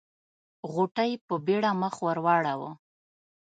غوټۍ په بيړه مخ ور واړاوه.